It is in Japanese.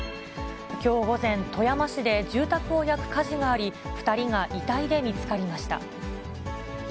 きょう午前、富山市で住宅を焼く火事があり、２人が遺体で見つかりました。